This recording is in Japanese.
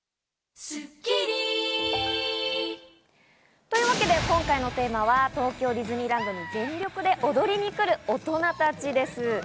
というわけで、今回のテーマは、東京ディズニーランド全力で踊りに来る大人たちです。